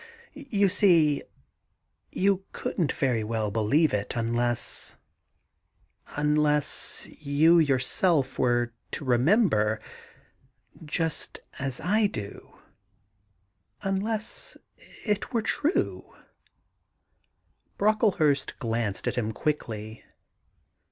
... You see you couldn't very well believe it unless — unless you yourself were to remember, just as I do — unless it were true ' Brocklehurst glanced at him quickly.